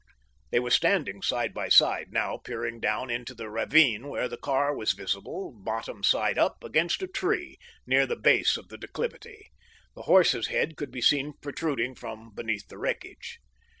They were standing side by side, now peering down into the ravine where the car was visible, bottom side up against a tree, near the base of the declivity. The horse's head could be seen protruding from beneath the wreckage.